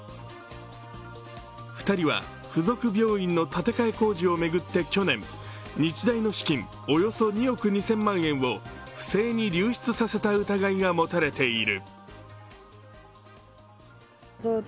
２人は付属病院の建て替え工事を巡り大学側からおよそ２億円を不正に流出させた疑いが持たれている。